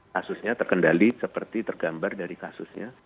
kasusnya terkendali seperti tergambar dari kasusnya